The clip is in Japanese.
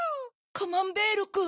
カマンベールくん。